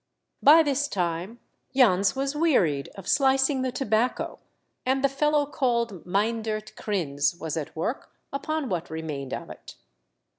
By this time Jans was wearied of slicing the tobacco, and the fellow called Meindert Kryns was at work upon w^hat remained of it.